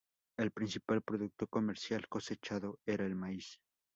El principal producto comercial cosechado era el maíz.